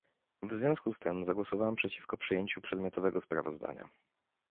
W związku z tym zagłosowałem przeciwko przyjęciu przedmiotowego sprawozdania